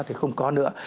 thì không có nữa